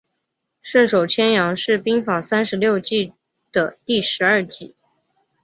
顺手牵羊是兵法三十六计的第十二计。